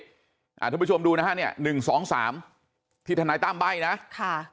ถ้าผู้ชมดูนะฮะหนึ่งสองสามที่ธนัยตั้มใบ้นะ